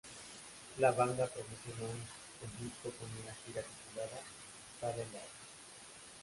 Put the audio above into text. La banda promocionó el disco con una gira titulada Sade Live.